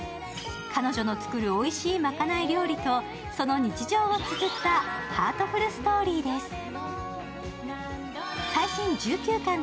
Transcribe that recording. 彼女の作るおいしいまかない料理とその日常をつづったハートフルストーリーです。